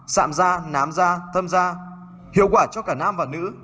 sạm da nám da thâm da hiệu quả cho cả nam và nữ